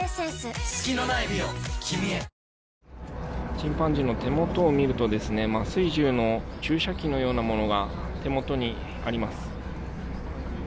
チンパンジーの手元を見ると麻酔銃の注射器のようなものが手元にあります。